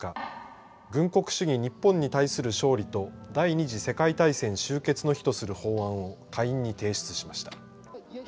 軍国主義日本に対する勝利と第２次世界大戦終結の日とする法案を下院に提出しました。